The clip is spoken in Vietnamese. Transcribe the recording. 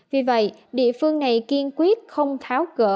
vì vậy địa phương này kiên quyết không tháo gỡ